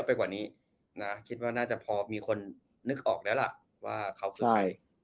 ไปกว่านี้นะคิดว่าน่าจะพอมีคนนึกออกแล้วล่ะว่าเขาคือใคร